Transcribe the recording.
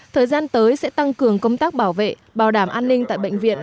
thời gian tới sẽ tăng cường công tác bảo vệ bảo đảm an ninh tại bệnh viện